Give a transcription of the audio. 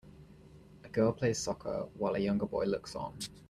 a girl plays soccer while a younger boy looks on.